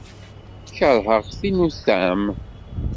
Kerheɣ tinutam.